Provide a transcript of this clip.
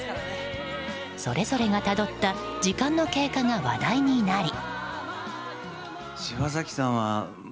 それぞれがたどった時間の経過が話題になり。